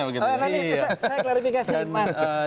saya klarifikasi mas martin